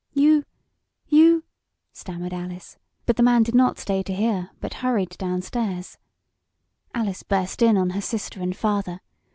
"You you " stammered Alice. But the man did not stay to hear, but hurried downstairs. Alice burst in on her sister and father.